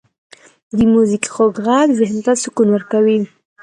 • د میوزیک خوږ ږغ ذهن ته سکون ورکوي.